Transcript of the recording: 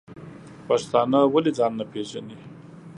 پښتانه ولی ځان نه پیژنی؟